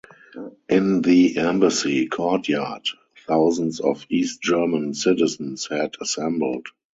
In the embassy courtyard thousands of East German citizens had assembled.